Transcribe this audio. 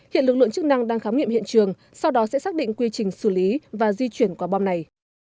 hiện lực lượng chức năng đang khám nghiệm hiện trường sau đó sẽ xác định quy trình xử lý và di chuyển quả bom này